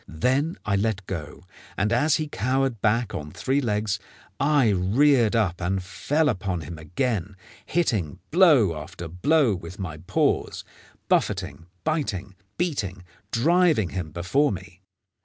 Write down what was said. Then I let go, and as he cowered back on three legs I reared up and fell upon him again, hitting blow after blow with my paws, buffeting, biting, beating, driving him before me.